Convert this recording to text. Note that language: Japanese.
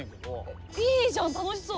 いいじゃん楽しそう！